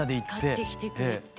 買ってきてくれて。